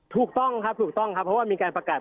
ถูกต้องครับเพราะว่ามีการประกาศ